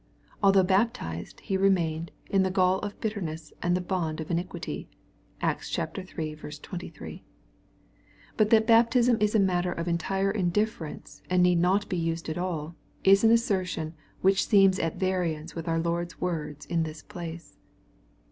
Although baptized, he remained '^ in the gall of bitterness and bond of in iquity." (Acts iii. 23.) — But that baptism is a matter of entire indifference, and need not be used at all, is an assertion which seems at variance with our Lord's words in this place.